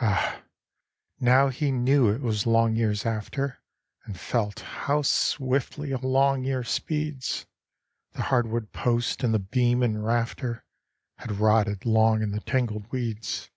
Ah, now he knew it was long years after, And felt how swiftly a long year speeds; The hardwood post and the beam and rafter Had rotted long in the tangled weeds.